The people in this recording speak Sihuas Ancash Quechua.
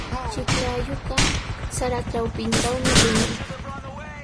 Chiklayuqa sara trawpintrawmi wiñan.